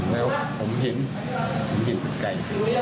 แล้วผมเห็นผมเห็นเป็นไก่